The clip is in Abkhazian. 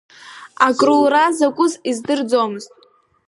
Акрура закәыз издырӡомзт.